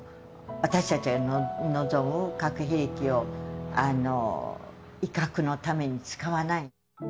私たちが望む核兵器を威嚇のために使わない。